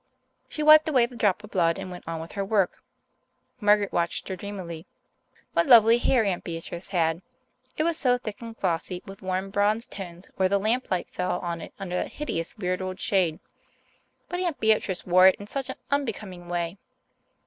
She wiped away the drop of blood and went on with her work. Margaret watched her dreamily. What lovely hair Aunt Beatrice had! It was so thick and glossy, with warm bronze tones where the lamp light fell on it under that hideous weird old shade. But Aunt Beatrice wore it in such an unbecoming way.